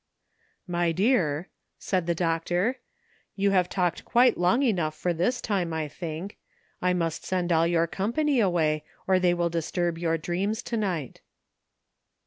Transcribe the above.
*'My dear," said the doctor, "you have talked quite long enough for this time, I think. I must send all your company away, or they will disturb your dreams to night."